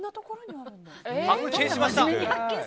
発見しました！